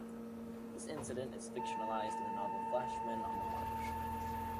This incident is fictionalized in the novel "Flashman on the March".